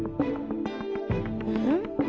うん？